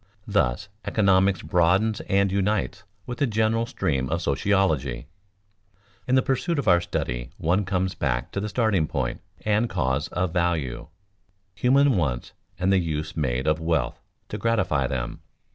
Thus economics broadens and unites with the general stream of sociology. In the pursuit of our study one comes back to the starting point and cause of value human wants and the use made of wealth to gratify them.